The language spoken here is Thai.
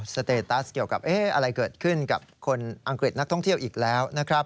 สเตตัสเกี่ยวกับอะไรเกิดขึ้นกับคนอังกฤษนักท่องเที่ยวอีกแล้วนะครับ